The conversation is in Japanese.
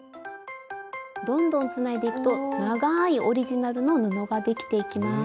どんどんつないでいくとながいオリジナルの布ができていきます。